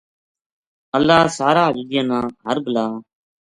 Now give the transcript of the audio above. اللہ ساراں اجڑیاں نا ہر بلا